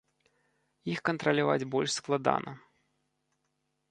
Іх кантраляваць больш складана.